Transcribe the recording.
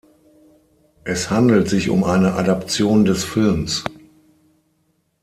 Es handelt sich um eine Adaption des Films.